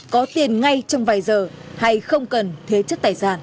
có tiền ngay có tiền đồng